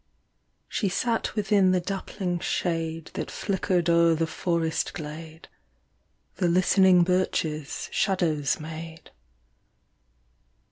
SHE sat within the dappling shade That flickered o'er the forest glade, The listening birches shadows made.